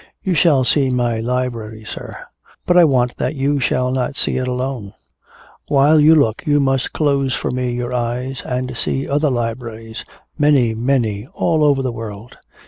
"You shall see my library, sir. But I want that you shall not see it alone. While you look you must close for me your eyes and see other libraries, many, many, all over the world.